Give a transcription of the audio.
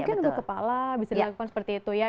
mungkin untuk kepala bisa dilakukan seperti itu ya